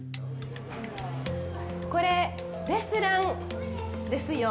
これ、レストランですよ。